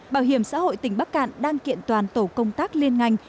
bảo hiểm xã hội tỉnh bắc cạn đang kiện toàn tổ công tác liên ngành